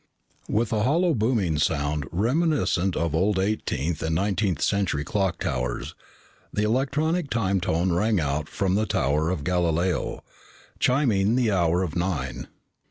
_" With a hollow booming sound reminiscent of old eighteenth and nineteenth century clock towers, the electronic time tone rang out from the Tower of Galileo, chiming the hour of nine.